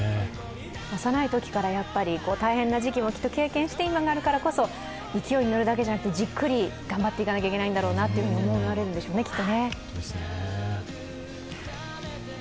幼いときから大変な時期も経験して今があるからこそ、勢いに乗るだけじゃなくて、じっくり頑張っていかなきゃいけないんだろうなという思いがあるんでしょうね。